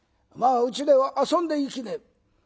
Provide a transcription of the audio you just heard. まあうちでは遊んでいきねえ」。